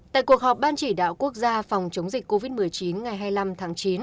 tại cuộc họp ban chỉ đạo quốc gia phòng chống dịch covid một mươi chín ngày hai mươi năm tháng chín